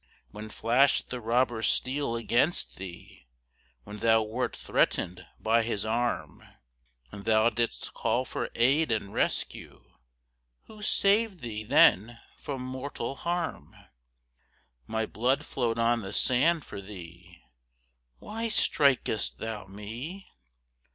When flashed the robber's steel against thee, When thou wert threatened by his arm, And thou didst call for aid and rescue, Who saved thee then from mortal harm? My blood flowed on the sand for thee: Why strik'st thou me?